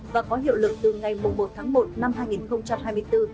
và có hiệu lực từ ngày một tháng một năm hai nghìn hai mươi bốn